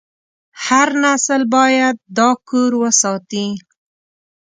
هر نسل باید دا کور وساتي.